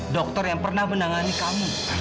dokter yang pernah menangani kamu